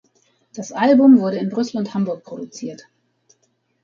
Das Album wurde in Brüssel und Hamburg produziert.